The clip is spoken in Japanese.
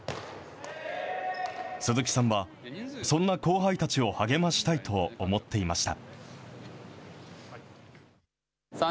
鈴木さんは、そんな後輩たちを励ましたいと思っていました。